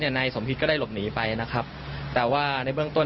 นายสมพิษก็ได้หลบหนีไปนะครับแต่ว่าในเบื้องต้น